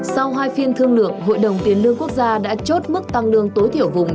sau hai phiên thương lượng hội đồng tiền lương quốc gia đã chốt mức tăng lương tối thiểu vùng